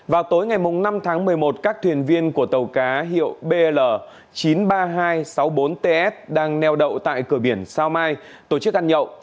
vào tối ngày năm tháng một mươi một các thuyền viên của tàu cá hiệu bl chín mươi ba nghìn hai trăm sáu mươi bốn ts đang neo đậu tại cửa biển sao mai tổ chức ăn nhậu